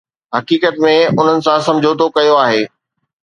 حقيقت ۾ انهن سان سمجهوتو ڪيو آهي.